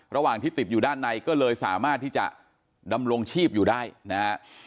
ระหว่างที่ติดอยู่ด้านในก็เลยสามารถที่จะดำรงชีพอยู่ได้นะฮะ